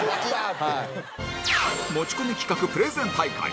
持ち込み企画プレゼン大会